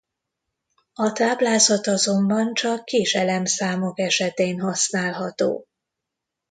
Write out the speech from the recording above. A táblázat azonban csak kis elemszámok esetén használható.